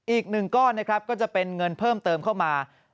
อีก๑ก้อนนะครับก็จะเป็นเงินเพิ่มเติมเข้ามา